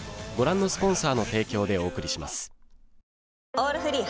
「オールフリー」